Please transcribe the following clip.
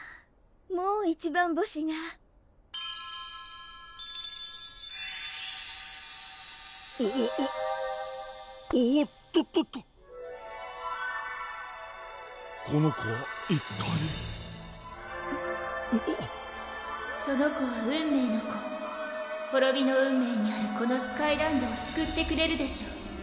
もう一番星がおぉおーっとっとっとこの子は一体その子は「運命の子」ほろびの運命にあるこのスカイランドをすくってくれるでしょう